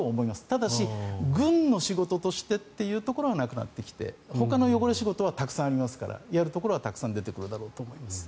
ただし、軍の仕事としてっていうところはなくなってきてほかの汚れ仕事はたくさんありますからやるところはたくさん出てくるだろうと思います。